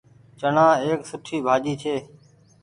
چڻآ ايڪ سُٺي ڀآڃي ڇي۔